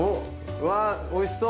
うわおいしそう！